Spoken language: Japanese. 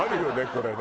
これね。